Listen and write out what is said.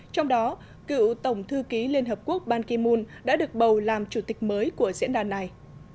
trong đó cựu tổng thư ký liên hợp quốc ban kim mun đã được bầu làm chủ tịch mới của diễn đàn này